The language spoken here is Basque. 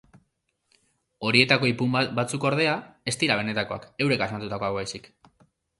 Horietako ipuin batzuk, ordea, ez dira benetakoak, eurek asmatutakoak baizik.